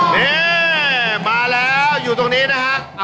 นี่มาแล้วอยู่ตรงนี้นะฮะ